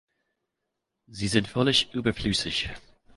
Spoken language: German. Sie sind völlig überflüssig.